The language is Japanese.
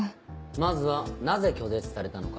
まずはなぜ拒絶されたのか。